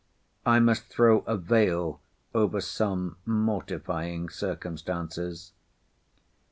I must throw a veil over some mortifying circumstances.